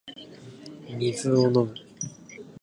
水を飲む